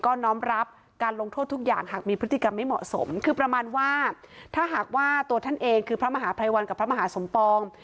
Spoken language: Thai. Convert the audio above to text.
ก็น้อมรับการลงโทษทุกอย่างหากมีพฤติกรรมไม่เหมาะสมคือประมาณว่าถ้าหากว่าตัวท่านเองคือพระมหาภัยวันกับพระมหาสมปอง